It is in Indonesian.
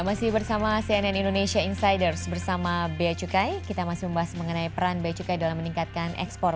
masih bersama cnn indonesia insiders bersama bea cukai kita masih membahas mengenai peran bea cukai dalam meningkatkan ekspor